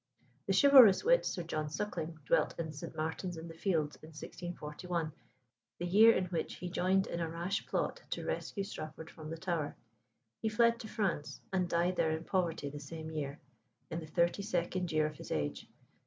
The chivalrous wit, Sir John Suckling, dwelt in St. Martin's in the Fields in 1641, the year in which he joined in a rash plot to rescue Strafford from the Tower. He fled to France, and died there in poverty the same year, in the thirty second year of his age.